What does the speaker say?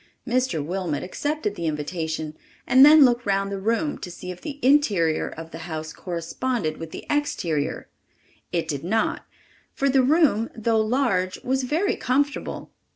Mr. Wilmot accepted the invitation and then looked round the room to see if the interior of the house corresponded with the exterior, It did not, for the room, though large, was very comfortable.